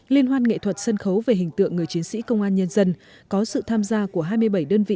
liên hoan nghệ thuật sân khấu về hình tượng người chiến sĩ công an nhân dân có sự tham gia của hai mươi bảy đơn vị